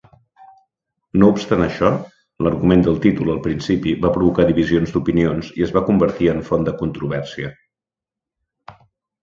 No obstant això, l'argument del títol al principi va provocar divisions d'opinions i es va convertir en font de controvèrsia.